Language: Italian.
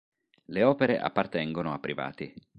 Le opere appartengono a privati.